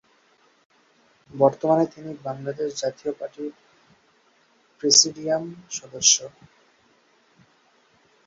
বর্তমানে তিনি বাংলাদেশ জাতীয় পার্টির প্রেসিডিয়াম সদস্য।